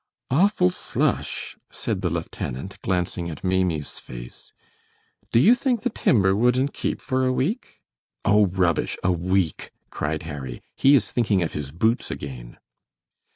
"Awful slush," said the lieutenant, glancing at Maimie's face. "Do you think the timber wouldn't keep for a week?" "Oh, rubbish! A week!" cried Harry. "He is thinking of his boots again."